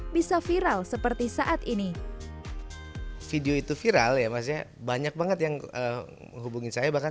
bisa viral seperti saat ini video itu viral ya maksudnya banyak banget yang hubungin saya bahkan